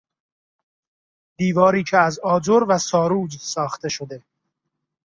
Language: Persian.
دیواری که از آجر و ساروج ساخته شده